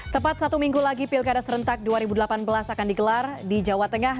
tepat satu minggu lagi pilkada serentak dua ribu delapan belas akan digelar di jawa tengah